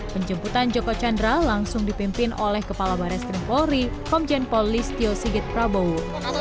penjemputan joko chandra langsung dipimpin oleh kepala barat skrimpori komjen polis tio sigit prabowo